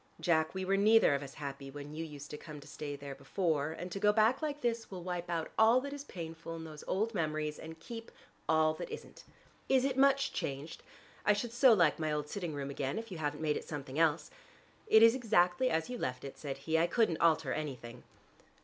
Jack, we were neither of us happy when you used to come to stay there before, and to go back like this will wipe out all that is painful in those old memories, and keep all that isn't. Is it much changed? I should so like my old sitting room again if you haven't made it something else." "It is exactly as you left it," said he. "I couldn't alter anything."